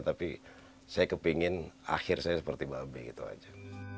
tapi saya kepengen akhir saya seperti bab gitu aja